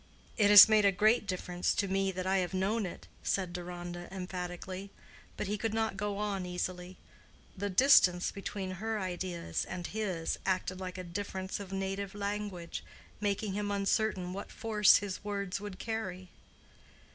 "It has made a great difference to me that I have known it," said Deronda, emphatically; but he could not go on easily—the distance between her ideas and his acted like a difference of native language, making him uncertain what force his words would carry.